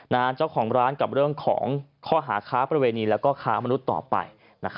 เจ้าของร้านกับเรื่องของข้อหาค้าประเวณีแล้วก็ค้ามนุษย์ต่อไป